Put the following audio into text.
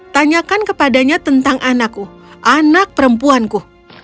tanyakan kepadanya tentang anakku anak perempuanku